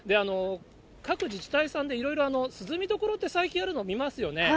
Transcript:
各自治体さんでいろいろ涼みどころって最近あるの見ますよね。